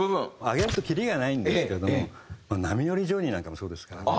挙げるときりがないんですけれども『波乗りジョニー』なんかもそうですからね。